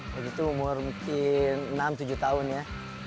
waktu itu umur mungkin enam tujuh tahun ya